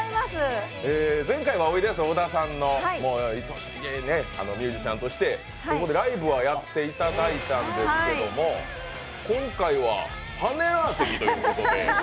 前回はおいでやす小田さんのリクエストでミュージシャンとしてライブはやっていただいたんですが、今回はパネラー席ということで。